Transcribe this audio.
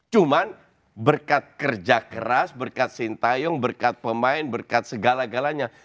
cuman berkat kerja keras berkat sintayong berkat pemain berkat segala galanya